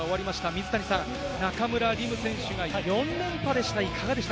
水谷さん、中村輪夢選手が４連覇でした。